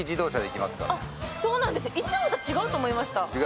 いつもと違うと思いました。